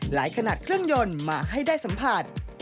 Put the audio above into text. ขนาดเครื่องยนต์มาให้ได้สัมผัส